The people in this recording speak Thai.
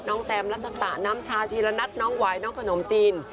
น้องแจมลัดจัดตะน้ำชาชีระนัดน้องไหวน้องขนมจีน